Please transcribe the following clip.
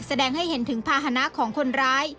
แสดงให้เห็นถึงภาษณะของคนร้าย